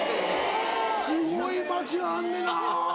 すごい町があんねな。